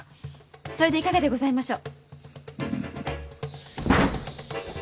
それでいかがでございましょう？